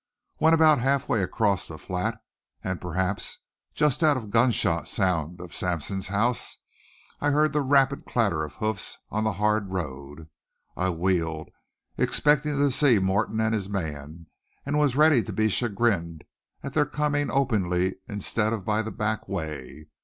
When about half way across the flat, and perhaps just out of gun shot sound of Sampson's house, I heard the rapid clatter of hoofs on the hard road. I wheeled, expecting to see Morton and his man, and was ready to be chagrined at their coming openly instead of by the back way.